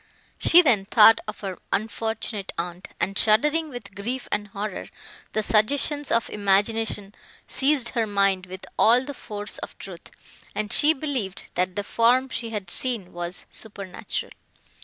She then thought of her unfortunate aunt, and, shuddering with grief and horror, the suggestions of imagination seized her mind with all the force of truth, and she believed, that the form she had seen was supernatural.